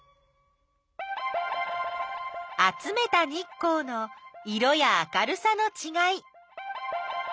集めた日光の色や明るさのちがい。